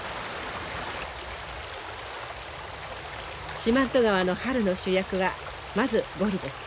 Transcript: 四万十川の春の主役はまずゴリです。